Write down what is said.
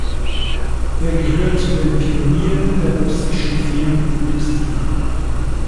Er gehört zu den Pionieren der russischen Filmindustrie.